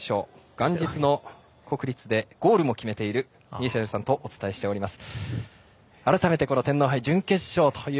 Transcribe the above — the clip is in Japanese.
元日の国立でゴールも決めているミシェルさんとお伝えしています。